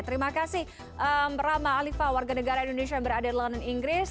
terima kasih rama alifa warga negara indonesia yang berada di london inggris